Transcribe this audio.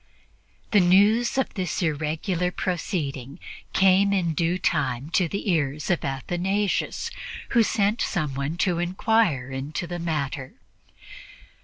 The news of this irregular proceeding came in due time to the ears of Athanasius, who sent someone to inquire into the matter.